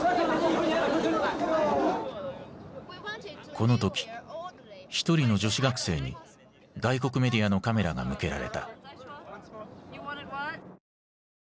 この時一人の女子学生に外国メディアのカメラが向けられた。